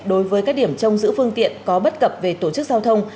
đối với các điểm trông giữ phương tiện có bất cập về tổ chức giao thông